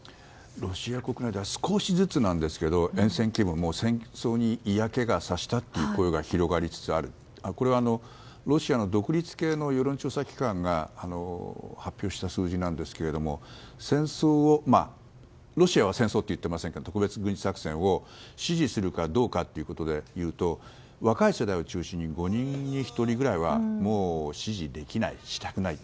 ロシア国内では少しずつですが厭戦気分、戦争に嫌気がさしたという声が広がりつつあってこれはロシアの独立系の世論調査機関が発表した数字ですがロシアは戦争と言ってませんから特別軍事作戦を支持するかどうかということでいうと若い世代を中心に５人に１人ぐらいは支持できないしたくない。